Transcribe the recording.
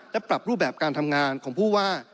และปรับรูปแบบการทำงานของผู้ว่า